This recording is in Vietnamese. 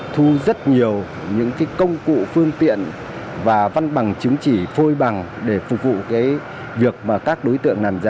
thu rất nhiều những công cụ phương tiện và văn bằng chứng chỉ phôi bằng để phục vụ việc mà các đối tượng làm giả